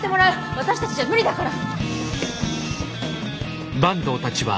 私たちじゃ無理だから。